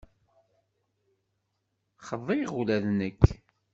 Xḍiɣ ula d nekk.